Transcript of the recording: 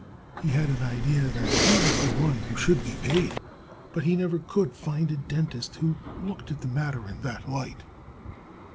He had an idea that he was the one who should be paid. But he never could find a dentist who looked at the matter in that light.